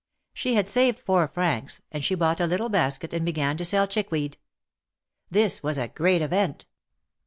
She had saved four francs, and she bought a little basket and began to sell chickweed. This was a great event.